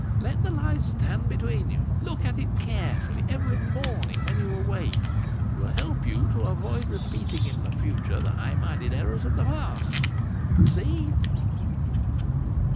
Let the lie stand between you. Look at it carefully every morning when you awake. It will help you to avoid repeating in the future the high minded errors of the past. See?"